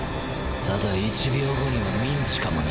ただ１秒後にはミンチかもな。